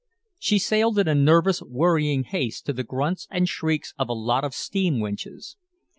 She sailed in a nervous, worrying haste to the grunts and shrieks of a lot of steam winches.